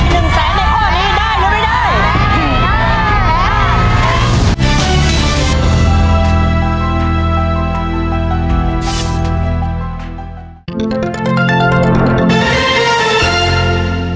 หนึ่งแสนในข้อนี้ได้หรือไม่ได้